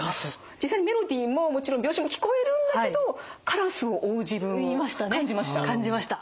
実際にメロディーももちろん秒針も聞こえるんだけどカラスを追う自分感じました。